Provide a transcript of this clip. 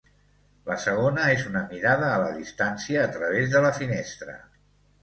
La segona és una mirada a la distància a través de la finestra.